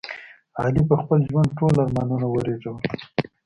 علي په خپل ژوند ټول ارمانونه ورېژول.